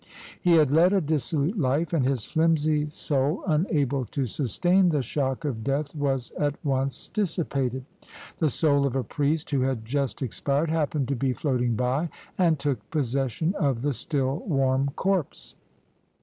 He had led a dissolute life, and his flimsy soul, unable to sustain the shock of death, was at once dissipated. The soul of a priest who had just expired happened to be floating by, and took possession of the still warm corpse.